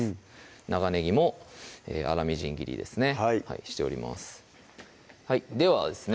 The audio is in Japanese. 長ねぎも粗みじん切りですねしておりますではですね